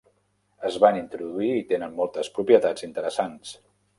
Es van introduir i tenen moltes propietats interessants.